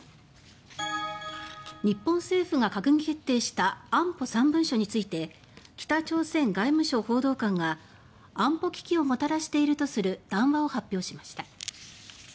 日本政府が閣議決定した「安保３文書」について北朝鮮外務省報道官が「安保危機をもたらしている」とする談話を発表しました。